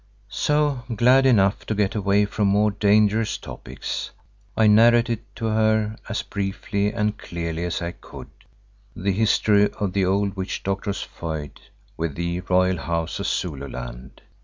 So, glad enough to get away from more dangerous topics, I narrated to her as briefly and clearly as I could, the history of the old witch doctor's feud with the Royal House of Zululand.